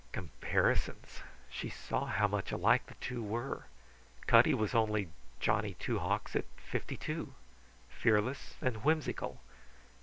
Comparisons! She saw how much alike the two were. Cutty was only Johnny Two Hawks at fifty two fearless and whimsical.